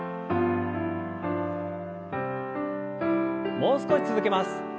もう少し続けます。